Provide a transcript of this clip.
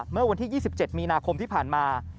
เมื่อวันที่๒๗มีนาคมที่ผ่านมา